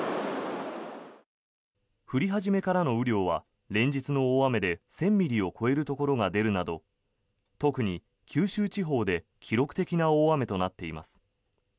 降り始めからの雨量は連日の大雨で１０００ミリを超えるところが出るなど特に九州地方で記録的な大雨となっています。